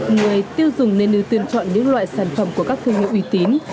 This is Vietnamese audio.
người tiêu dùng nên được tên chọn những loại sản phẩm của các thương hiệu uy tín